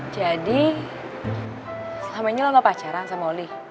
jadi selama ini lo nggak pacaran sama oli